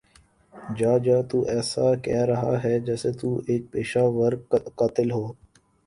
جاجا تو ایسے کہ رہا ہے جیسے تو ایک پیشہ ور قاتل ہو